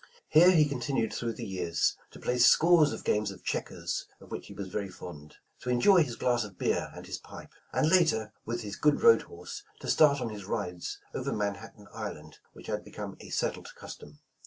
Here he continued through the years, to play scores of games of checkers, of which he was very fond ; to enjoy his glass of beer and his pipe ; and later, with his good road horse, to start on his rides over Manhat tan Island, which had become a settled custom.